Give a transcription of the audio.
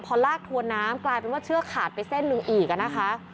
พอลากทวนน้ำกลายเป็นว่าเชือกขาดไปเส้นหนึ่งอีกนะคะ